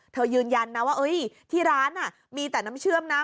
ยืนยันนะว่าที่ร้านมีแต่น้ำเชื่อมนะ